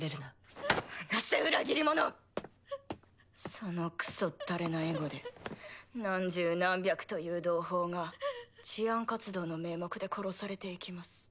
そのクソったれなエゴで何十何百という同胞が「治安活動」の名目で殺されていきます。